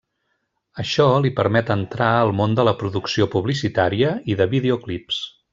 Això li permet entrar al món de la producció publicitària i de videoclips.